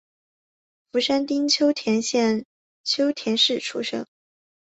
福山町秋田县秋田市出生。